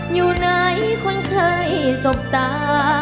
อยู่ไหนคนเคยสบตา